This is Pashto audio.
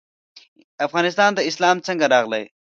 افغانستان ته اسلام څنګه راغلی دی؟